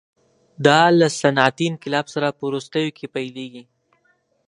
دا له صنعتي انقلاب سره په وروستیو کې پیلېږي.